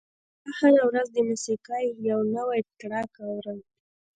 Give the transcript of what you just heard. زه هره ورځ د موسیقۍ یو نوی ټراک اورم.